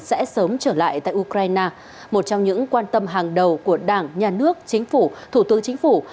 sẽ sớm trở lại tại ukraine một trong những quan tâm hàng đầu của đảng nhà nước chính phủ thủ tướng chính phủ